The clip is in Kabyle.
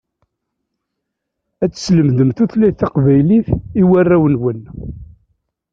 Ad teslemdem tutlayt taqbaylit i warraw-inwen.